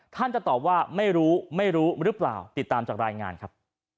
ท่านจะตอบว่าไม่รู้ไม่รู้หรือเปล่าติดตามจากรายงานครับ